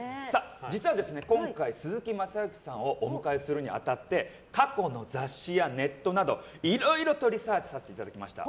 実は今回、鈴木雅之さんをお迎えするに当たって過去の雑誌やネットなどいろいろとリサーチさせてもらいました。